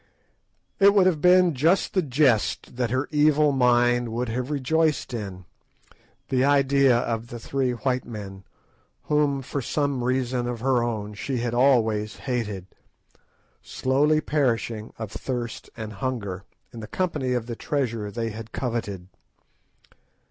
It would have been just the jest that her evil mind would have rejoiced in, the idea of the three white men, whom, for some reason of her own, she had always hated, slowly perishing of thirst and hunger in the company of the treasure they had coveted.